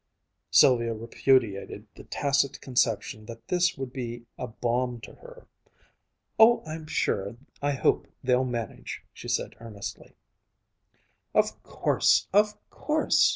Sylvia repudiated the tacit conception that this would be a balm to her. "Oh, I'm sure I hope they'll manage!" she said earnestly. "Of course! Of course!"